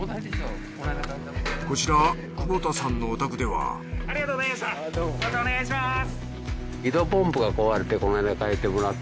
こちら窪田さんのお宅ではありがとうございました。